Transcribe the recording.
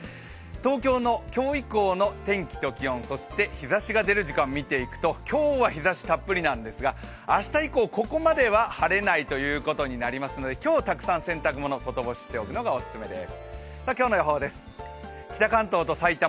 東京の今日以降の天気と気温そして日ざしが出る時間を見ていくと今日は日ざしたっぷりなんですが、明日以降ここまでは晴れないということで今日、たくさん洗濯物、外干ししておくのがお勧めです。